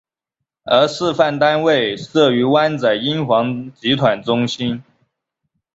而示范单位设于湾仔英皇集团中心。